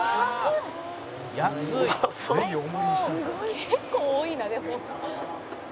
「結構多いなでも」